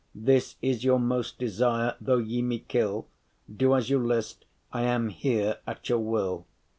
This is your most desire, though ye me kill, Do as you list, I am here at your will.